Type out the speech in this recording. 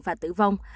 và tử vong